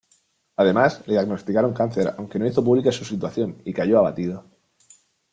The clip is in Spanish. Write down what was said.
Además, le diagnosticaron cáncer, aunque no hizo pública su situación y cayó abatido.